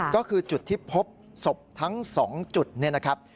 ก็คือจุดที่พบศพทั้ง๒จุดเนี่ยนะครับ